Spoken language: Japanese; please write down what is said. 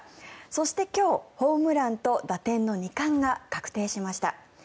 そして今日、ホームランと打点の二冠が確定しました。